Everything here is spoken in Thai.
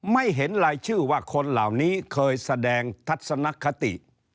ไม่เห็นลายชื่อว่าคนเหล่านี้เคยแสดงทัศนคติ